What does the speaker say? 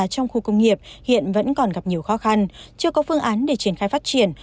trong khu công nghiệp hiện vẫn còn gặp nhiều khó khăn chưa có phương án để triển khai phát triển